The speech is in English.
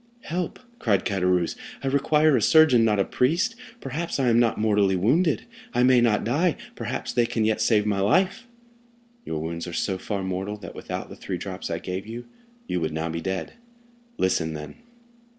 "Help!" cried Caderousse; "I require a surgeon, not a priest; perhaps I am not mortally wounded—I may not die; perhaps they can yet save my life." "Your wounds are so far mortal that, without the three drops I gave you, you would now be dead. Listen, then."